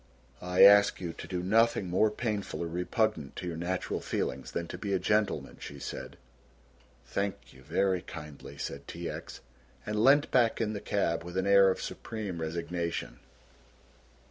"I ask you to do nothing more painful or repugnant to your natural feelings than to be a gentleman," she said. "Thank you very kindly," said T. X., and leant back in the cab with an air of supreme resignation.